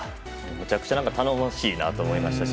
めちゃくちゃ頼もしいなと思いましたし